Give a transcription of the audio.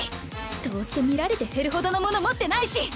どうせ見られて減るほどのもの持ってないし！